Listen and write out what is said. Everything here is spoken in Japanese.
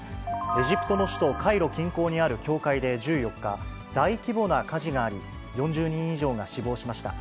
エジプトの首都カイロ近郊にある教会で１４日、大規模な火事があり、４０人以上が死亡しました。